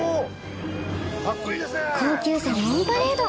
高級車のオンパレード。